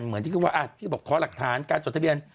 เหมือนที่บอกขอหลักฐานการจดทะเบียน